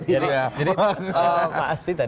jadi pak asfi tadi